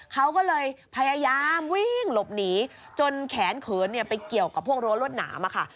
เขาก็เลยพยายามวิ่งหลบหนีจนแขนเขินเนี่ยไปเกี่ยวกับพวกรั้วรวดหนามค่ะ